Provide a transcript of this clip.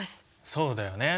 そうだよね。